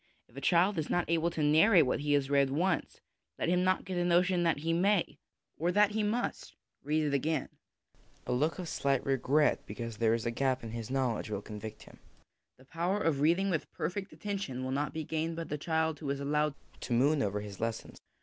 If a child is not able to narrate what he has read once, let him not get the notion that he may, or that he 230 HOME EDUCATION must, read it again. A look of slight regret because there is a gap in his knowledge will convict him. The power of reading with perfect attention will not be gained by the child who is allowed to moon over his lessons.